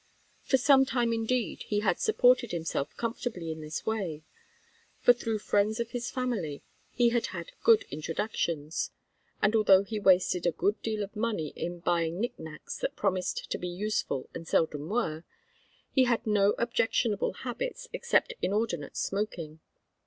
For some time indeed he had supported himself comfortably in this way; for through friends of his family he had had good introductions, and, although he wasted a good deal of money in buying nick nacks that promised to be useful and seldom were, he had no objectionable habits except inordinate smoking.